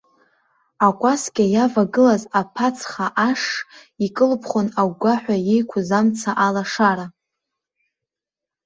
Акәасқьа иавагылаз аԥацха ашш икылԥхон агәгәаҳәа еиқәыз амца алашара.